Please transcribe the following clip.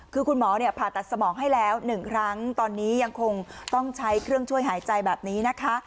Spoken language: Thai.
คือคุณหมอเนี่ยผ่าตัดสมองให้แล้ว๑ครั้งตอนนี้ยังคงต้องใช้เครื่องช่วยหายใจแบบนี้นะคะ